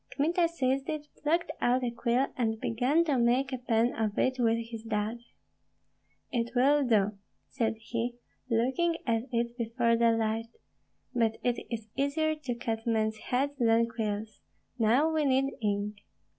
Kmita seized it, plucked out a quill, and began to make a pen of it with his dagger. "It will do!" said he, looking at it before the light; "but it is easier to cut men's heads than quills. Now we need ink."